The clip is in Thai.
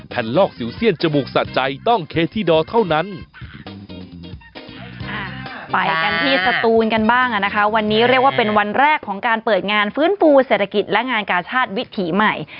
ไปกันที่สตูนกันบ้างอ่ะนะคะวันนี้เรียกว่าเป็นวันแรกของการเปิดงานฟื้นฟูเศรษฐกิจและงานกาชาติวิถีใหม่